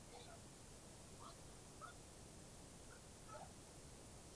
本方归于足少阴肾经药。